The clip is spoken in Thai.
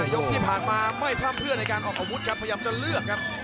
ยกที่ผ่านมาไม่พร่ำเพื่อในการออกอาวุธครับพยายามจะเลือกครับ